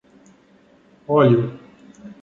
Óleo